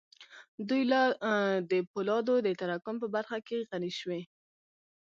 دوی د پولادو د تراکم په برخه کې غني شوې